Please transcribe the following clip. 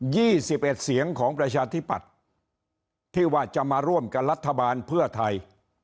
ี่สิบเอ็ดเสียงของประชาธิปัตย์ที่ว่าจะมาร่วมกับรัฐบาลเพื่อไทย